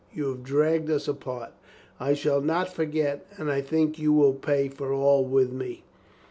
You have dragged us apart. I shall not forget. And I think you will pay for all with me."